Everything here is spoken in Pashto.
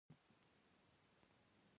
د جنجال د سوله ایز حل پېشنهاد یې ورته وکړ.